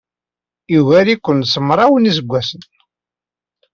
Yugar-iken s mraw n yiseggasen.